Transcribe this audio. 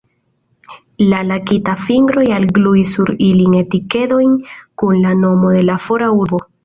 La lakitaj fingroj algluis sur ilin etikedojn kun la nomo de la fora urbo.